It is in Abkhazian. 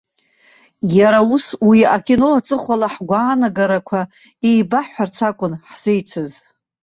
Иара ус, уи акино аҵыхәала ҳгәаанагарақәа еибаҳҳәарц акәын ҳзеицыз.